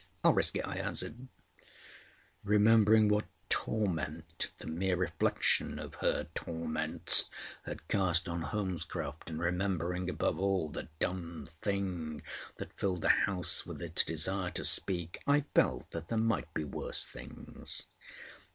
"I'll risk it," I answered. Remembering what torment the mere reflection of her torments had cast on Holmescroft, and remembering, above all, the dumb Thing that filled the house with its desire to speak, I felt that there might be worse things.